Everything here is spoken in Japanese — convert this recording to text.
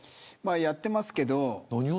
やってますけど。